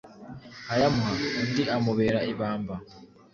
ayamuha, undi amubera ibamba.